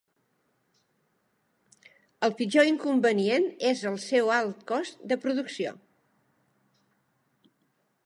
El pitjor inconvenient és el seu alt cost de producció.